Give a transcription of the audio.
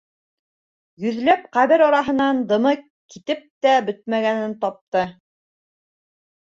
Йөҙләп ҡәбер араһынан дымы китеп тә бөтмәгәнен тапты.